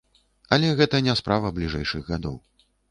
Але гэта не справа бліжэйшых гадоў.